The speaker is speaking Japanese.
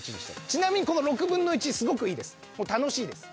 ちなみにこの６分の１すごくいいです楽しいです。